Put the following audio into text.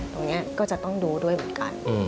ตรงนี้ก็จะต้องดูด้วยเหมือนกัน